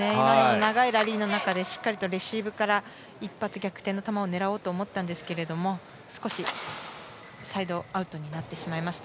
長いラリーの中でしっかりとレシーブから一発逆転の球を狙おうと思ったんですけども少しサイドアウトになってしまいました。